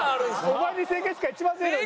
お前に清潔感一番ねえのに。